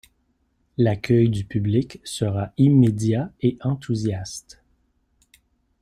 L’accueil du public sera immédiat et enthousiaste.